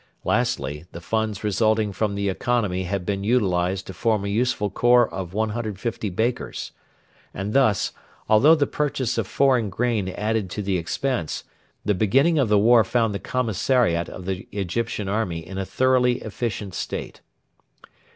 Lastly, the funds resulting from the economy had been utilised to form a useful corps of 150 bakers. And thus, although the purchase of foreign grain added to the expense, the beginning of the war found the commissariat of the Egyptian Army in a thoroughly efficient state.